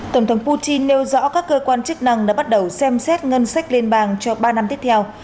tổng thống putin nêu rõ các cơ quan chức năng đã bắt đầu xem xét ngân sách liên bang cho ba năm tiếp theo